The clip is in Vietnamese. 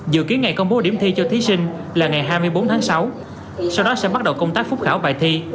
dự kiến ngày công bố điểm thi cho thí sinh là ngày hai mươi bốn tháng sáu sau đó sẽ bắt đầu công tác phúc khảo bài thi